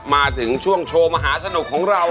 มาถึงช่วงโชว์มหาสนุกของเรา